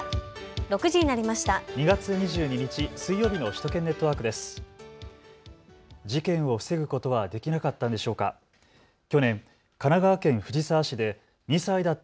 ６時になりました。